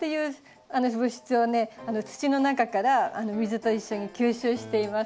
土の中から水と一緒に吸収しています。